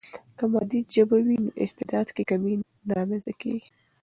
که مادي ژبه وي، نو استعداد کې کمی نه رامنځته کیږي.